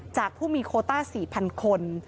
จากผู้มีโคต้า๔๐๐คน